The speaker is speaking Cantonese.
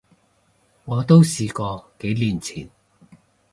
我都試過，幾年前